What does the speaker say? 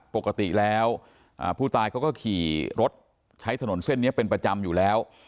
ปกติแล้วผู้ตายเขาก็ขี่รถใช้ถนนเส้นนี้เป็นประจำอยู่แล้ว